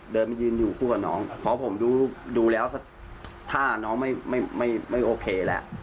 เดินมายืนอยู่คู่กับน้องเพราะผมดูแล้วถ้าน้องไม่โอเคแหละ